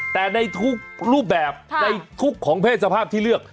แต่ในทุกรูปแบบในทุกของเพศสภาพที่เลือก